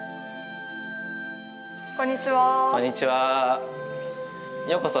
こんにちは。